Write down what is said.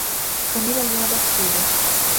Camila Lima da Silva